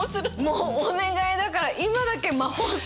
もうお願いだから今だけ魔法使わせてとか。